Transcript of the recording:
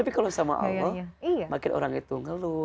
tapi kalau sama allah makin orang itu ngeluh